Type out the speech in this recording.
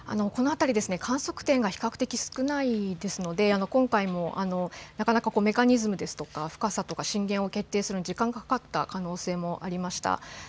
この辺り、観測点が比較的少ないですので、今回もなかなかメカニズムですとか、深さとか震源を決定するのに時間かかった可能性もありました。